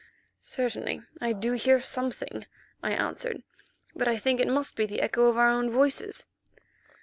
"Certainly I do hear something," I answered, "but I think it must be the echo of our own voices."